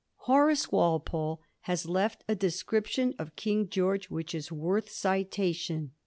Horace Walpole has left a description of King George which is worth citation.